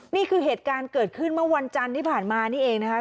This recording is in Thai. นี่คือเหตุการณ์เกิดขึ้นเมื่อวันจันทร์ที่ผ่านมานี่เองนะคะ